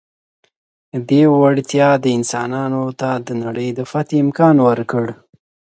دې وړتیا انسانانو ته د نړۍ د فتحې امکان ورکړ.